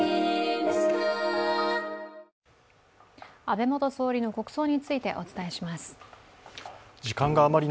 安倍元総理の国葬についてお伝えします。